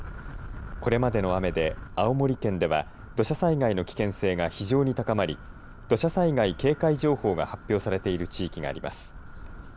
これまでの雨で青森県では土砂災害の危険性が非常に高まり土砂災害警戒情報が発表されている地域があります。